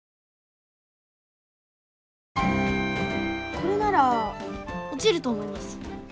これなら落ちると思います！